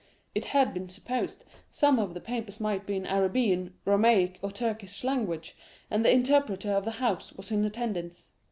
It had been supposed some of the papers might be in the Arabian, Romaic, or Turkish language, and the interpreter of the House was in attendance.